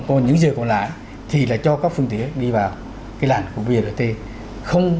còn những giờ còn lại thì là cho các phương tiện đi vào cái làn của brt không